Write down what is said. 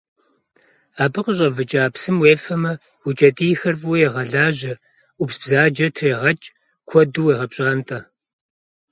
Абы къыщӏэвыкӏа псым уефэмэ, уи кӏэтӏийхэр фӏыуэ егъэлажьэ, ӏупсбзаджэр трегъэкӏ, куэду уегъэпщӏантӏэ.